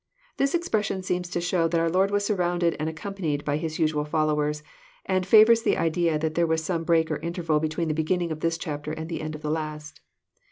'] This expression seems to show that our Lord was surrounded and accompanied by His usual followers, and favours the idea that there was some break or interval between the beginning of this chapter and the end of the last.